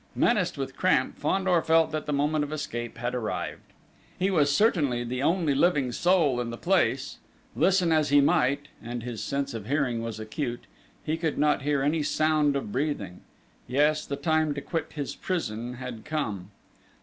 Menaced with cramp, Fandor felt that the moment of escape had arrived. He was, certainly, the only living soul in the place: listen as he might, and his sense of hearing was acute, he could not hear any sound of breathing. Yes, the time to quit his prison had come!